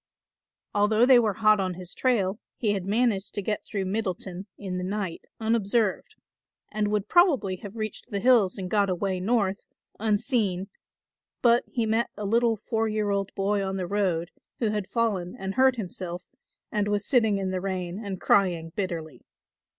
Although they were hot on his trail he had managed to get through Middleton in the night unobserved and would probably have reached the hills and got away North, unseen; but he met a little four year old boy on the road, who had fallen and hurt himself and was sitting in the rain and crying bitterly.